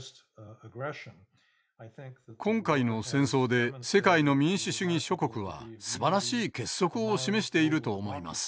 今回の戦争で世界の民主主義諸国はすばらしい結束を示していると思います。